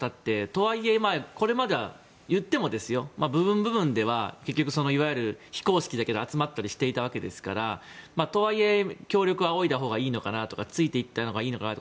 とはいえ、これまでは言っても、部分部分では結局、いわゆる非公式だけど集まったりしていたわけですからとはいえ、協力を仰いだほうがいいのかなとかついていったほうがいいかなと。